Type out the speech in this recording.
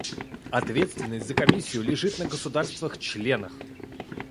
Ответственность за Комиссию лежит на государствах-членах.